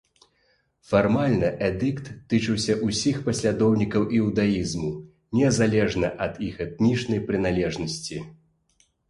Фармальна эдыкт тычыўся ўсіх паслядоўнікаў іўдаізму, незалежна ад іх этнічнай прыналежнасці.